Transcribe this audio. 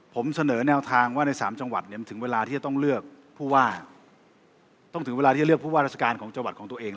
ผมเสนอแนวทางว่าในสามจังหวัดถึงเวลาที่จะต้องเลือกผู้ว่ารัศกรรมของจังหวัดของตัวเอง